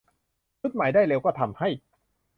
ชุดใหม่ได้เร็วก็ทำให้